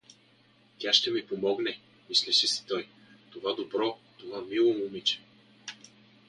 Тя ще ми помогне — мислеше си той, — това добро, това мило момиче!